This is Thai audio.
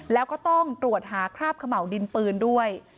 แล้วก็ต้องตรวจหาคราบเขม่าวดินปืนด้วย